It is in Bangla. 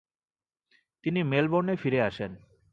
তিনি মেলবোর্নে ফিরে আসেন।